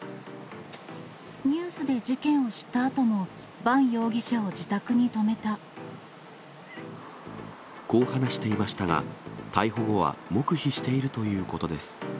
ニュースで事件を知ったあとこう話していましたが、逮捕後は黙秘しているということです。